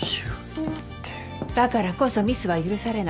だからこそミスは許されない。